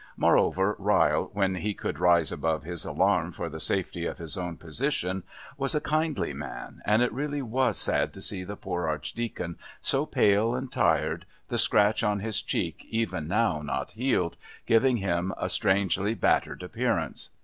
Moreover, Ryle, when he could rise above his alarm for the safety of his own position, was a kindly man, and it really was sad to see the poor Archdeacon so pale and tired, the scratch on his cheek, even now not healed, giving him a strangely battered appearance.